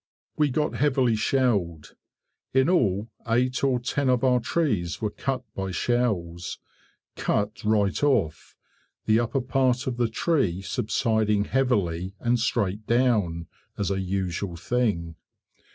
We got heavily shelled. In all eight or ten of our trees were cut by shells cut right off, the upper part of the tree subsiding heavily and straight down, as a usual thing.